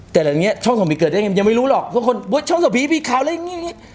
แต่แบบนี้ช่องส่องผีเกิดได้ยังไงยังไม่รู้หรอกทุกคนช่องส่องผีมีข่าวอะไรอย่างนี้